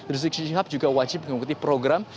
rizik syihab juga wajib mengikuti program